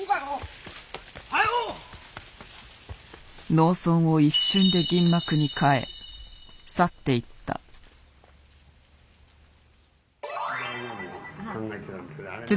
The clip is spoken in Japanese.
農村を一瞬で銀幕に変え去っていった。